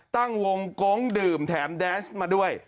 ตั้งวงโก๊งดื่มแถมแดนส์มาด้วย